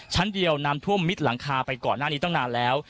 ชั้นเดียวน้ำท่วมมิดหลังคาไปก่อนหน้านี้ตั้งนานแล้ว